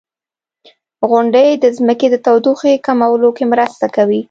• غونډۍ د ځمکې د تودوخې کمولو کې مرسته کوي.